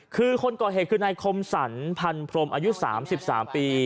คือคนก่อเหตุคือนายคมสรรพันพรมอายุ๓๓ปี